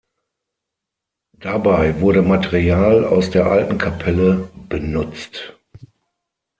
Dabei wurde Material aus der alten Kapelle benutzt.